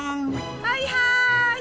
はいはい！